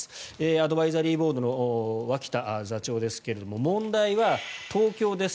アドバイザリーボードの脇田座長ですけれども問題は、東京です。